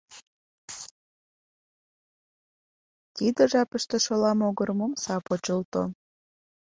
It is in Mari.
Тиде жапыште шола могырым омса почылто.